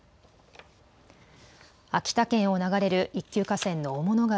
秋田県を流れる一級河川の雄物川。